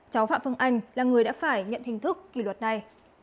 cháu phạm phương anh là người đã phải nhận hình thức kỷ luật này